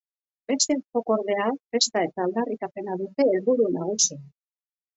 Beste askok, ordea, festa eta aldarrikapena dute helburu nagusi.